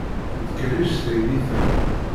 Tettkerric teydit-a.